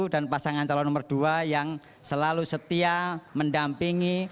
dan pasangan calon nomor dua yang selalu setia mendampingi